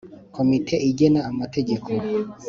Komite igena Amategeko.